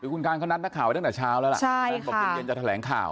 คุณกานก็นัดหน้าข่าวมาตั้งแต่เช้าละละ